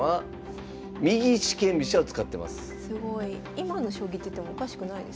今の将棋っていってもおかしくないです。